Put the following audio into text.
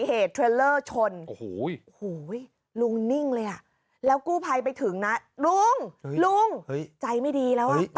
เหมือนอยู่ในนี้